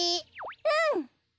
うん！